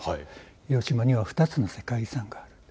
広島には２つの世界遺産がある。